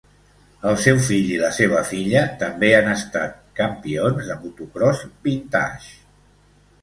El seu fill i la seva filla també han estat campions de motocròs vintage.